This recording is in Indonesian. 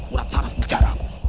ulat saras bicara aku